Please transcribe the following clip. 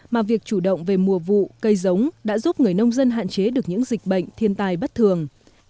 mà việc chủ động về mùa vụ cây giống đã giúp người nông dân hạn chế được những dịch bệnh thiên tai bất thường